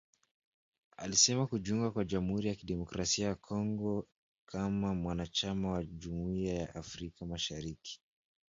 Alisema kujiunga kwa Jamuhuri ya Kidemokrasia ya Kongo kama mwanachama wa Jumuiya ya Afrika Mashariki